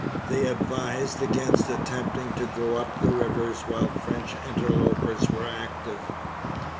They advised against attempting to go up the rivers while French interlopers were active.